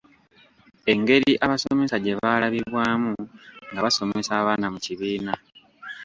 Engeri abasomesa gye baalabibwamu nga basomesa abaana mu kibiina.